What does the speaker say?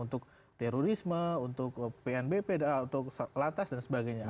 untuk terorisme untuk pnbp untuk latas dan sebagainya